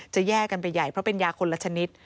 แย่กันไปใหญ่เพราะเป็นยาคนละชนิด